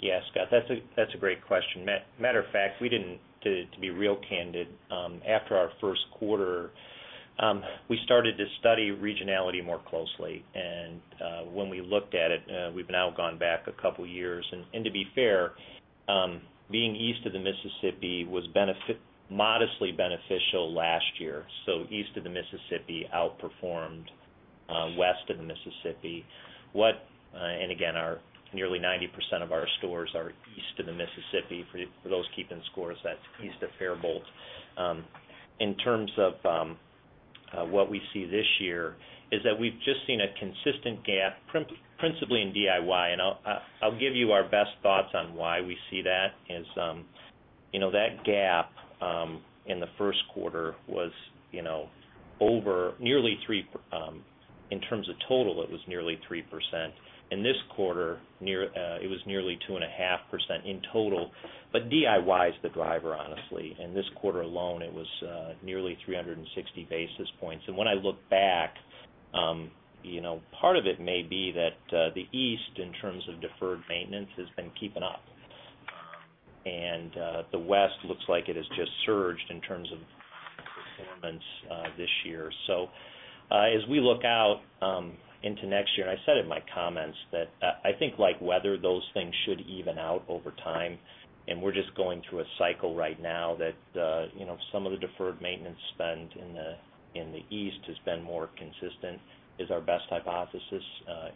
Yeah, Scot, that's a great question. Matter of fact, we didn't, to be real candid, after our first quarter, we started to study regionality more closely. When we looked at it, we've now gone back a couple of years. To be fair, being east of the Mississippi was modestly beneficial last year. East of the Mississippi outperformed west of the Mississippi. Nearly 90% of our stores are east of the Mississippi. For those keeping score, that's east of Faribault. In terms of what we see this year, we've just seen a consistent gap, principally in DIY. I'll give you our best thoughts on why we see that. That gap in the first quarter was over nearly 3%. In terms of total, it was nearly 3%. This quarter, it was nearly 2.5% in total. DIY is the driver, honestly. This quarter alone, it was nearly 360 basis points. When I look back, part of it may be that the east, in terms of deferred maintenance, has been keeping up. The west looks like it has just surged in terms of filaments this year. As we look out into next year, I said in my comments that I think like weather, those things should even out over time. We're just going through a cycle right now that some of the deferred maintenance spend in the east has been more consistent, is our best hypothesis.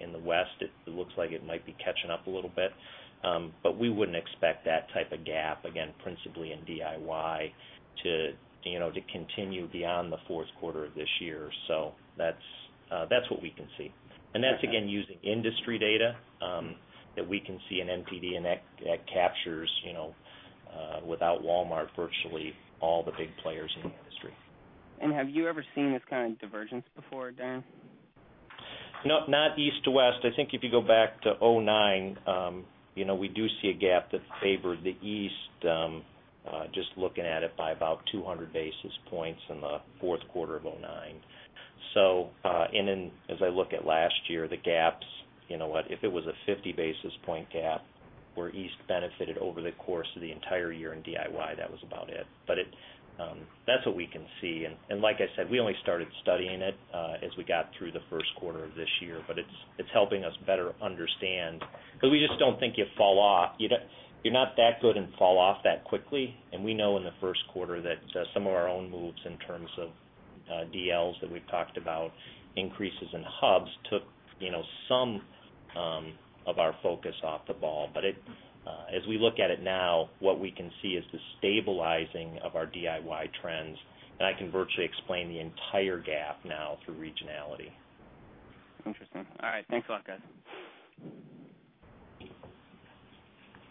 In the west, it looks like it might be catching up a little bit. We wouldn't expect that type of gap, again, principally in DIY, to continue beyond the fourth quarter of this year. That's what we can see. That's, again, using industry data that we can see in NPD and that captures, without Walmart, virtually all the big players in the industry. Have you ever seen this kind of divergence before, Darren? No, not east to west. I think if you go back to 2009, you know, we do see a gap that favored the east, just looking at it by about 200 basis points in the fourth quarter of 2009. As I look at last year, the gaps, you know what, if it was a 50 basis point gap where east benefited over the course of the entire year in DIY, that was about it. That's what we can see. Like I said, we only started studying it as we got through the first quarter of this year, but it's helping us better understand because we just don't think you fall off. You're not that good and fall off that quickly. We know in the first quarter that some of our own moves in terms of DLs that we've talked about, increases in hubs took, you know, some of our focus off the ball. As we look at it now, what we can see is the stabilizing of our DIY trends. I can virtually explain the entire gap now through regionality. Interesting. All right, thanks a lot, guys.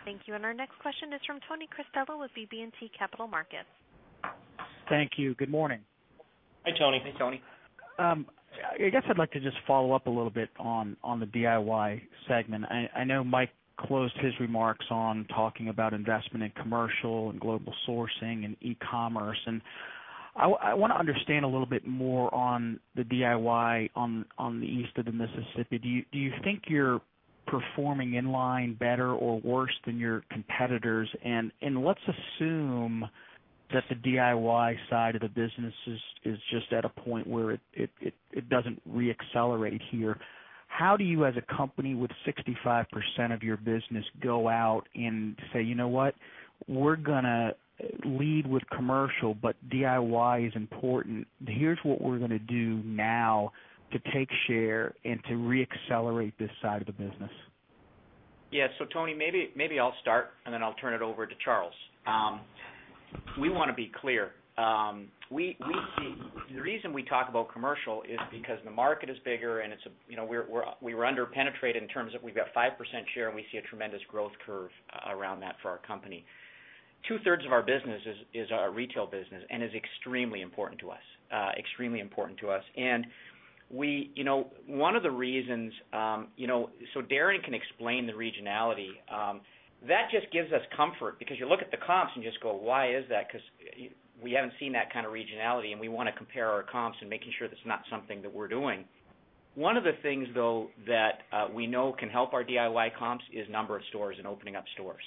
Thank you. Our next question is from Tony Cristello with BB&T Capital Markets. Thank you. Good morning. Hi, Tony. Hey, Tony. I guess I'd like to just follow up a little bit on the DIY segment. I know Mike closed his remarks on talking about investment in commercial and global sourcing and e-commerce. I want to understand a little bit more on the DIY on the east of the Mississippi. Do you think you're performing in line, better, or worse than your competitors? Let's assume that the DIY side of the business is just at a point where it doesn't re-accelerate here. How do you, as a company with 65% of your business, go out and say, you know what, we're going to lead with commercial, but DIY is important. Here's what we're going to do now to take share and to re-accelerate this side of the business. Yeah. So Tony, maybe I'll start and then I'll turn it over to Charles. We want to be clear. The reason we talk about commercial is because the market is bigger and we're underpenetrated in terms of we've got 5% share and we see a tremendous growth curve around that for our company. Two-thirds of our business is a retail business and is extremely important to us. Extremely important to us. One of the reasons, you know, so Darren can explain the regionality. That just gives us comfort because you look at the comps and just go, why is that? We haven't seen that kind of regionality and we want to compare our comps and make sure that's not something that we're doing. One of the things that we know can help our DIY comps is number of stores and opening up stores.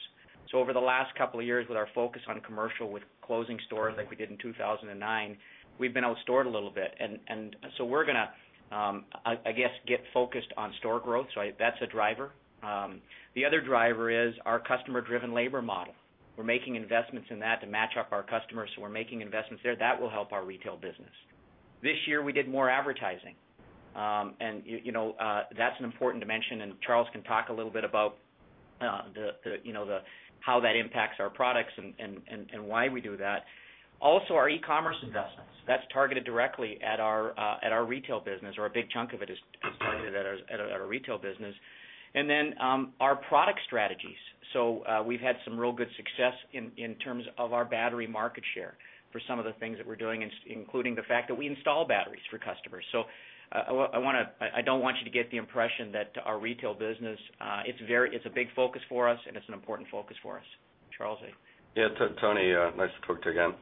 Over the last couple of years, with our focus on commercial, with closing stores like we did in 2009, we've been outstored a little bit. We're going to get focused on store growth. That's a driver. The other driver is our customer-driven labor model. We're making investments in that to match up our customers. We're making investments there. That will help our retail business. This year we did more advertising, and that's an important dimension. Charles can talk a little bit about how that impacts our products and why we do that. Also, our e-commerce investments. That's targeted directly at our retail business, or a big chunk of it is targeted at our retail business. Then our product strategies. We've had some real good success in terms of our battery market share for some of the things that we're doing, including the fact that we install batteries for customers. I don't want you to get the impression that our retail business, it's a big focus for us and it's an important focus for us. Charles? Yeah, Tony, nice to talk to you again.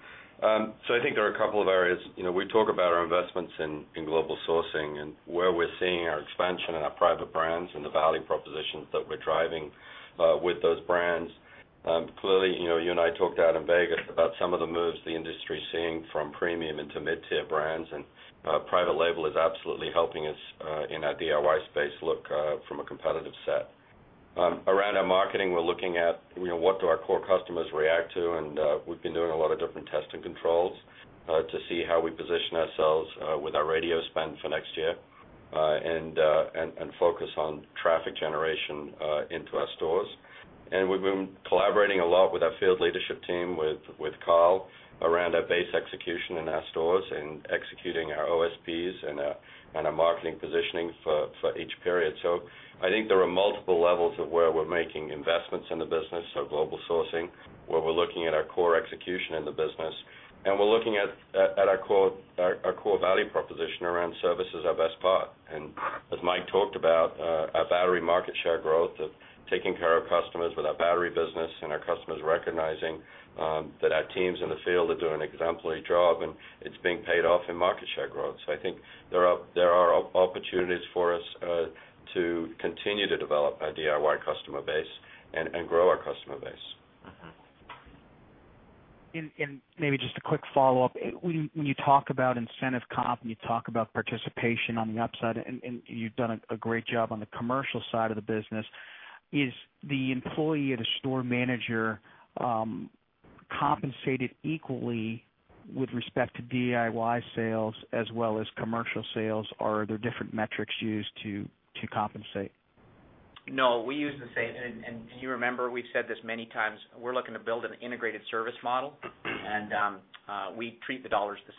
I think there are a couple of areas. We talk about our investments in global sourcing and where we're seeing our expansion and our private brands and the value propositions that we're driving with those brands. Clearly, you and I talked out in Vegas about some of the moves the industry is seeing from premium into mid-tier brands. Private label is absolutely helping us in our DIY space look from a competitive set. Around our marketing, we're looking at what our core customers react to. We've been doing a lot of different tests and controls to see how we position ourselves with our radio spend for next year and focus on traffic generation into our stores. We've been collaborating a lot with our field leadership team, with Carl, around our base execution in our stores and executing our OSPs and our marketing positioning for each period. I think there are multiple levels of where we're making investments in the business, global sourcing, where we're looking at our core execution in the business. We're looking at our core value proposition around services our best part. As Mike talked about, our battery market share growth, taking care of customers with our battery business and our customers recognizing that our teams in the field are doing an exemplary job and it's being paid off in market share growth. I think there are opportunities for us to continue to develop our DIY customer base and grow our customer base. Maybe just a quick follow-up. When you talk about incentive comp and you talk about participation on the upside, and you've done a great job on the commercial side of the business, is the employee or the store manager compensated equally with respect to DIY sales as well as commercial sales, or are there different metrics used to compensate? No, we use the same. You remember we've said this many times, we're looking to build an integrated service model and we treat the dollars the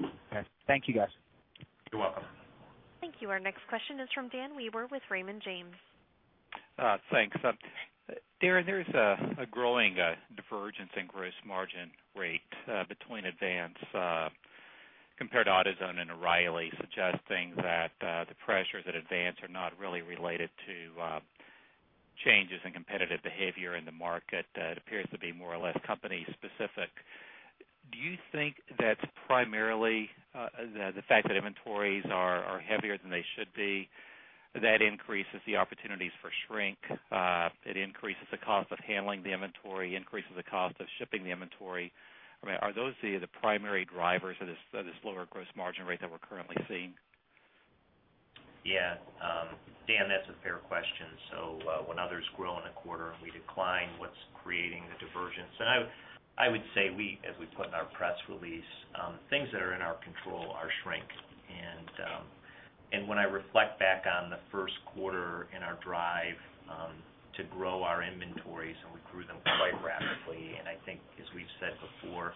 same. Thank you, guys. You're welcome. Thank you. Our next question is from Dan Weaver with Raymond James. Thanks. Darren, there's a growing divergence in gross margin rate between Advance compared to AutoZone and O'Reilly, suggesting that the pressures at Advance are not really related to changes in competitive behavior in the market. It appears to be more or less company-specific. Do you think that's primarily the fact that inventories are heavier than they should be? That increases the opportunities for shrink. It increases the cost of handling the inventory, increases the cost of shipping the inventory. I mean, are those the primary drivers of this lower gross margin rate that we're currently seeing? Yeah. Dan, that's a fair question. When others grow in a quarter and we decline, what's creating the divergence? I would say we, as we put in our press release, things that are in our control are shrink. When I reflect back on the first quarter in our drive to grow our inventories, we grew them quite radically. I think, as we've said before,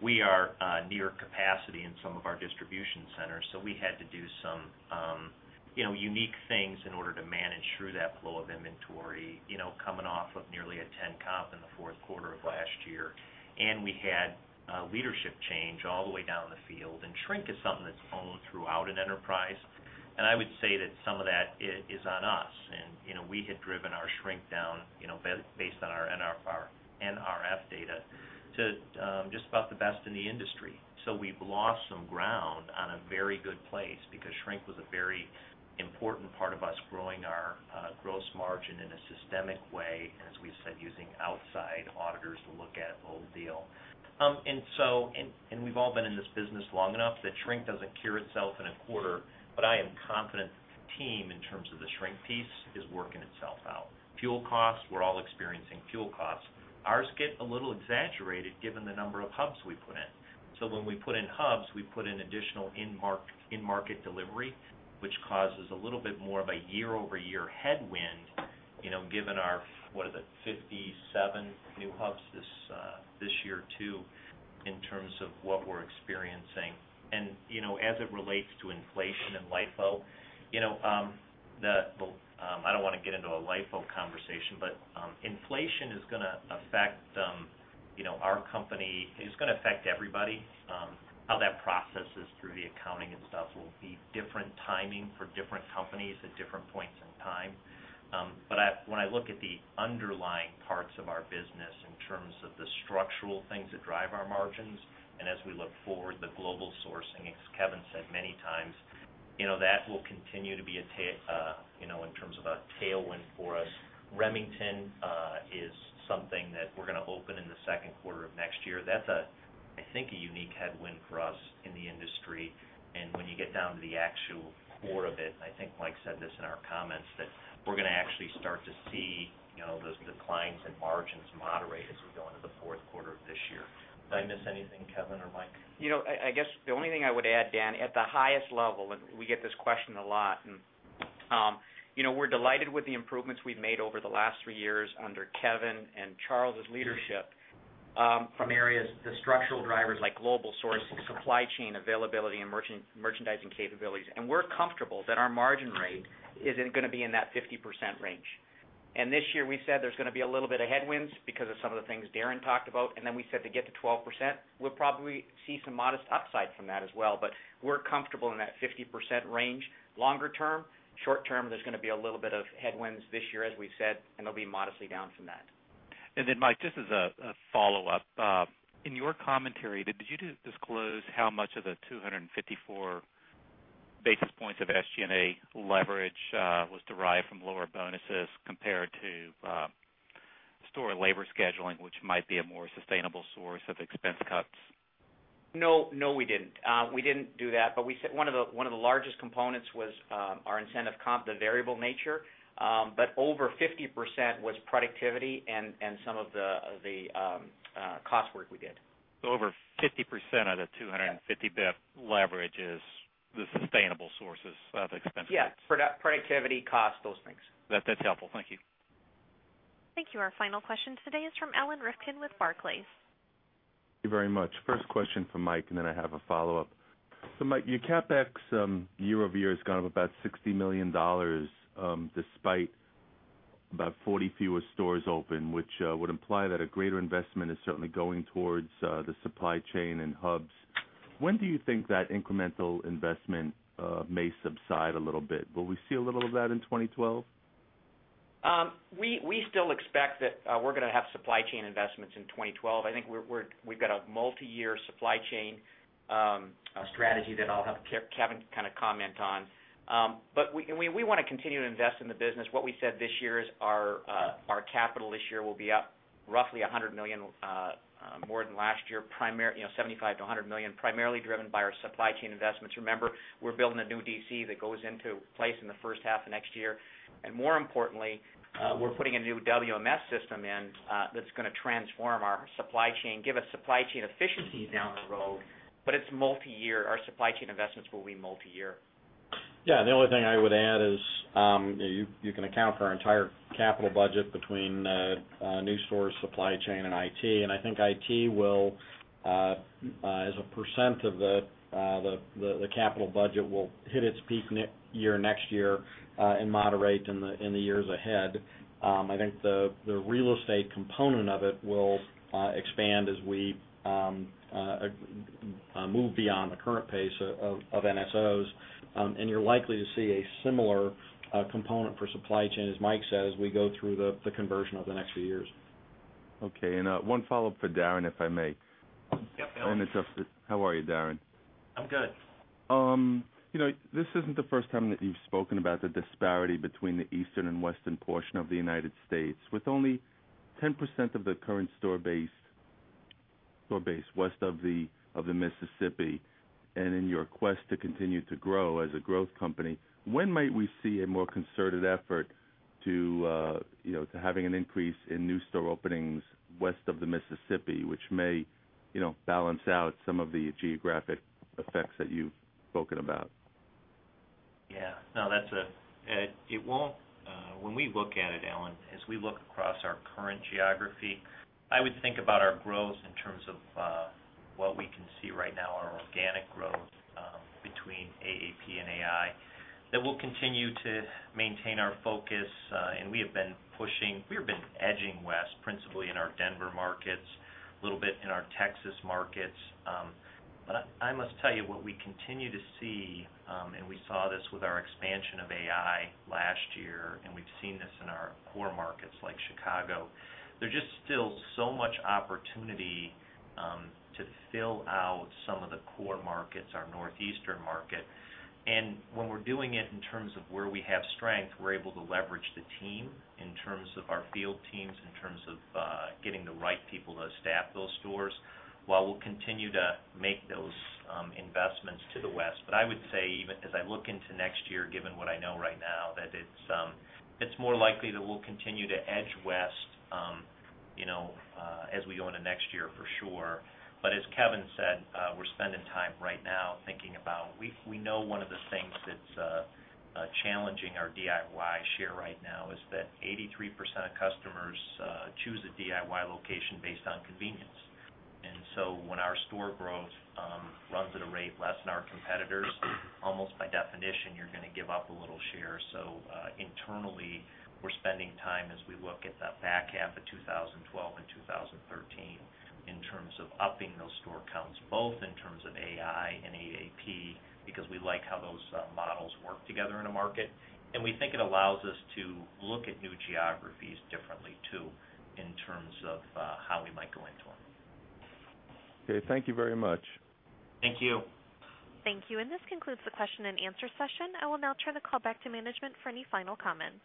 we are near capacity in some of our distribution centers. We had to do some unique things in order to manage through that flow of inventory, coming off of nearly a 10 comp in the fourth quarter of last year. We had leadership change all the way down the field. Shrink is something that's owned throughout an enterprise. I would say that some of that is on us. We had driven our shrink down, based on our NRF data, to just about the best in the industry. We've lost some ground on a very good place because shrink was a very important part of us growing our gross margin in a systemic way. As we said, using outside auditors to look at the whole deal. We've all been in this business long enough that shrink doesn't cure itself in a quarter. I am confident that the team in terms of the shrink piece is working itself out. Fuel costs, we're all experiencing fuel costs. Ours get a little exaggerated given the number of hubs we put in. When we put in hubs, we put in additional in-market delivery, which causes a little bit more of a year-over-year headwind, given our, what are the 57 new hubs this year too, in terms of what we're experiencing. As it relates to inflation and LIFO, I don't want to get into a LIFO conversation, but inflation is going to affect our company. It's going to affect everybody. How that processes through the accounting and stuff will be different timing for different companies at different points in time. When I look at the underlying parts of our business in terms of the structural things that drive our margins, and as we look forward, the global sourcing, as Kevin said many times, that will continue to be, in terms of a tailwind for us. Remington is something that we're going to open in the second quarter of next year. That's, I think, a unique headwind for us in the industry. When you get down to the actual core of it, and I think Mike said this in our comments, we're going to actually start to see those declines and margins moderate as we go into the fourth quarter of this year. Did I miss anything, Kevin or Mike? I guess the only thing I would add, Dan, at the highest level, we get this question a lot, and you know, we're delighted with the improvements we've made over the last three years under Kevin and Charles's leadership from areas, the structural drivers like global source, supply chain, availability, and merchandising capabilities. We're comfortable that our margin rate isn't going to be in that 50% range. This year we said there's going to be a little bit of headwinds because of some of the things Darren talked about. We said to get to 12%, we'll probably see some modest upside from that as well. We're comfortable in that 50% range. Longer term, short term, there's going to be a little bit of headwinds this year, as we've said, and they'll be modestly down from that. Mike, just as a follow-up, in your commentary, did you disclose how much of the 254 basis points of SG&A leverage was derived from lower bonuses compared to store labor scheduling, which might be a more sustainable source of expense cuts? We didn't do that. We said one of the largest components was our incentive comp, the variable nature. Over 50% was productivity and some of the cost work we did. Over 50% of the 255 basis point leverage is the sustainable sources of expense. Yeah, productivity, cost, those things. That's helpful. Thank you. Thank you. Our final question today is from Ellen Rifkin with Barclays. Thank you very much. First question for Mike, and then I have a follow-up. Mike, your CapEx year-over-year has gone up about $60 million, despite about 40 fewer stores open, which would imply that a greater investment is certainly going towards the supply chain and hubs. When do you think that incremental investment may subside a little bit? Will we see a little of that in 2012? We still expect that we're going to have supply chain investments in 2012. I think we've got a multi-year supply chain strategy that I'll have Kevin kind of comment on. We want to continue to invest in the business. What we said this year is our capital this year will be up roughly $100 million more than last year, $75-$100 million, primarily driven by our supply chain investments. Remember, we're building a new DC that goes into place in the first half of next year. More importantly, we're putting a new WMS system in that's going to transform our supply chain, give us supply chain efficiency down the road. It's multi-year. Our supply chain investments will be multi-year. Yeah, the only thing I would add is you can account for our entire capital budget between new stores, supply chain, and IT. I think IT, as a percent of the capital budget, will hit its peak year next year and moderate in the years ahead. I think the real estate component of it will expand as we move beyond the current pace of NSOs, and you're likely to see a similar component for supply chain, as Mike says, as we go through the conversion over the next few years. Okay, and one follow-up for Darren, if I may. Yep, Ellen. How are you, Darren? I'm good. This isn't the first time that you've spoken about the disparity between the eastern and western portion of the United States, with only 10% of the current store base west of the Mississippi. In your quest to continue to grow as a growth company, when might we see a more concerted effort to having an increase in new store openings west of the Mississippi, which may balance out some of the geographic effects that you've spoken about? Yeah, no, that's a, it won't. When we look at it, Ellen, as we look across our current geography, I would think about our growth in terms of what we can see right now, our organic growth between AAP and AI, that we'll continue to maintain our focus. We have been pushing, we have been edging west, principally in our Denver markets, a little bit in our Texas markets. I must tell you what we continue to see, and we saw this with our expansion of AI last year, and we've seen this in our core markets like Chicago. There's just still so much opportunity to fill out some of the core markets, our northeastern market. When we're doing it in terms of where we have strength, we're able to leverage the team in terms of our field teams, in terms of getting the right people to staff those stores, while we'll continue to make those investments to the west. I would say, even as I look into next year, given what I know right now, that it's more likely that we'll continue to edge west, you know, as we go into next year for sure. As Kevin said, we're spending time right now thinking about, we know one of the things that's challenging our DIY share right now is that 83% of customers choose a DIY location based on convenience. When our store growth runs at a rate less than our competitors, almost by definition, you're going to give up a little share. Internally, we're spending time as we look at that backhand of 2012 and 2013 in terms of upping those store counts, both in terms of AI and AAP, because we like how those models work together in a market. We think it allows us to look at new geographies differently too, in terms of how we might go into them. Okay, thank you very much. Thank you. Thank you. This concludes the question and answer session. I will now turn the call back to management for any final comment.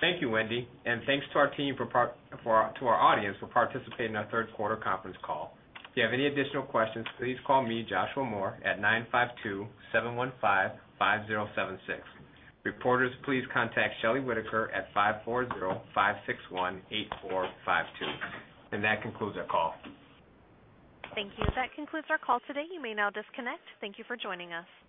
Thank you, Wendy. Thank you to our team and to our audience for participating in our third quarter conference call. If you have any additional questions, please call me, Joshua Moore, at 952-715-5076. Reporters, please contact Shelly Whitaker at 540-561-8452. That concludes our call. Thank you. That concludes our call today. You may now disconnect. Thank you for joining us.